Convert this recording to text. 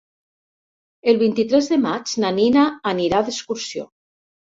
El vint-i-tres de maig na Nina anirà d'excursió.